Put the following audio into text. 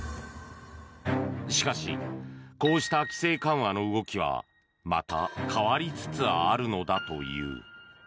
しかし、こうした規制緩和の動きはまた変わりつつあるのだという。